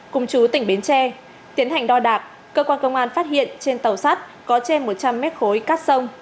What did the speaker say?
cùng chú tỉnh bến tre tiến hành đo đạc cơ quan công an phát hiện trên tàu sắt có trên một trăm linh mét khối cát sông